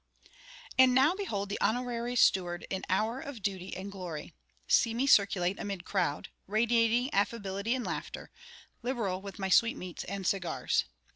And now behold the honorary steward in hour of duty and glory; see me circulate amid crowd, radiating affability and laughter, liberal with my sweetmeats and cigars.